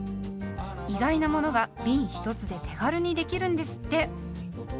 意外なものがびん１つで手軽にできるんですって。